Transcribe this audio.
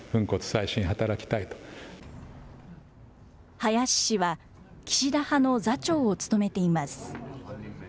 林氏は岸田派の座長を務めています。